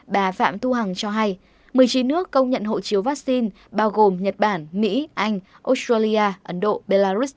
bà phạm thu hằng cho hay một mươi chín nước công nhận hộ chiếu vaccine bao gồm nhật bản mỹ anh australia ấn độ belarus